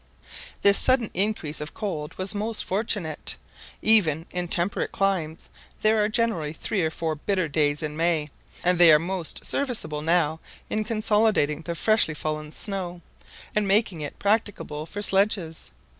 This sudden increase of cold was most fortunate. Even in temperate climes there are generally three or four bitter days in May; and they were most serviceable now in consolidating the freshly fallen snow, and making it practicable for sledges.